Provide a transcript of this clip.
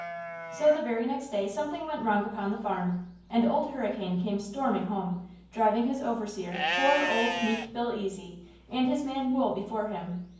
So the very next day something went wrong upon the farm, and Old Hurricane came storming home, driving his overseer, poor, old, meek Billy Ezy, and his man Wool before him.